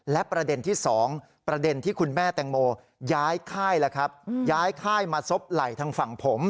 และประเด็นที่๒ประเด็นที่คุณแม่แตงโมย้ายค่ายมาซบไหล่ทางฝั่งผม